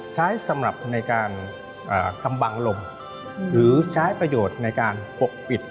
ใช้สำหรับในการกำบังลมหรือใช้ประโยชน์ในการปกปิด